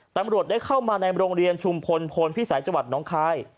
ตำรวจได้เข้ามาในโรงเรียนชุมพลพลพิสัยจังหวัดน้องคาย